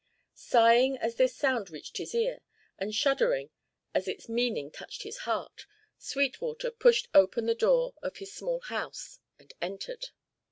Sighing as this sound reached his ear, and shuddering as its meaning touched his heart, Sweetwater pushed open the door of his small house, and entered.